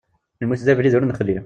Lmut d abrid ur nexli.